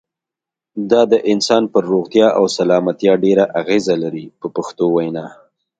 دا د انسان پر روغتیا او سلامتیا ډېره اغیزه لري په پښتو وینا.